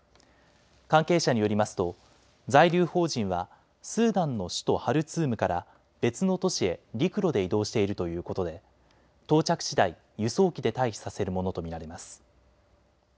関係者によりますと在留邦人はスーダンの首都ハルツームから別の都市へ陸路で移動しているということで到着しだい輸送機で退避させるものと見られます。